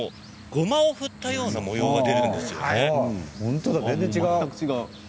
ごまを振ったような模様が出るんです。